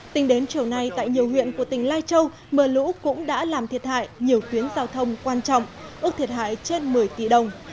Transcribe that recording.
tính đến chiều nay tại nhiều huyện của tỉnh lai châu mưa lũ cũng đã làm thiệt hại nhiều tuyến giao thông quan trọng ước thiệt hại trên một mươi tỷ đồng